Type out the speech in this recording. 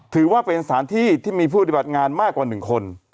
ถือว่าเป็นสถานที่ที่มีผู้ปฏิบัติงานมากกว่า๑คน